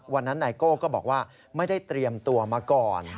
ไนโก้ก็บอกว่าไม่ได้เตรียมตัวมาก่อน